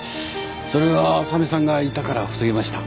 それは浅見さんがいたから防げました。